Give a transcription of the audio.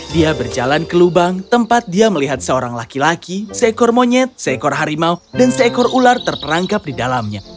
dia berjalan ke lubang tempat dia melihat seorang laki laki seekor monyet seekor harimau dan seekor ular terperangkap di dalamnya